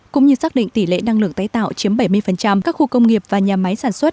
cũng như xác định tỷ lệ năng lượng tái tạo chiếm bảy mươi các khu công nghiệp và nhà máy sản xuất